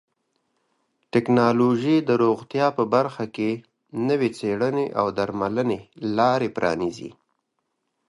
ټکنالوژي د روغتیا په برخه کې نوې څیړنې او درملنې لارې پرانیزي.